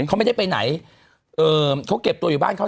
เขาไม่ได้ไปไหนเขาเก็บตัวอยู่บ้านเขา